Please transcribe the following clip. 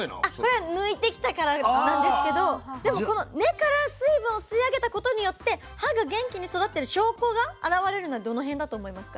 これ抜いてきたからなんですけどでもこの根から水分を吸い上げたことによって葉が元気に育ってる証拠が現れるのはどの辺だと思いますか？